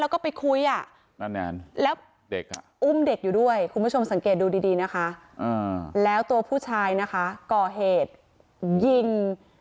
แล้วก็ไปคุยอ่ะแล้วเด็กอุ้มเด็กอยู่ด้วยคุณผู้ชมสังเกตดูดีนะคะแล้วตัวผู้ชายนะคะก่อเหตุยิง